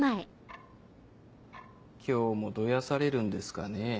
今日もどやされるんですかね。